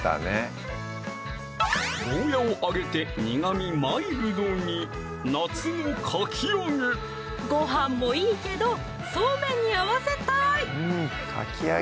ゴーヤを揚げて苦みマイルドにごはんもいいけどそうめんに合わせたい！